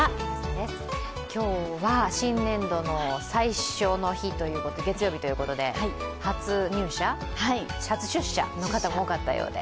今日は新年度の最初の日、月曜日ということで初入社、初出社の方が多かったようで。